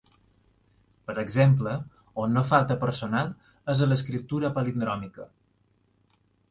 Per exemple, on no falta personal és en l'escriptura palindròmica.